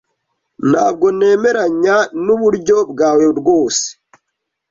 Ntabwo nemeranya nuburyo bwawe rwose.